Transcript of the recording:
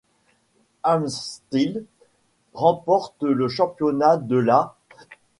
Haslstead remporte le championnat de la '.